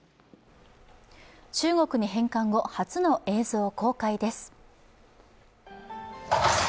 中国に返還後、初の映像公開です